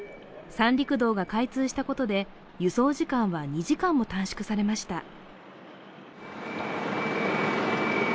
三陸道が開通したことで輸送時間は２時間も短縮されました。